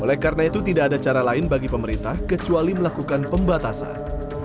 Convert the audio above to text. oleh karena itu tidak ada cara lain bagi pemerintah kecuali melakukan pembatasan